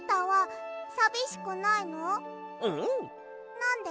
なんで？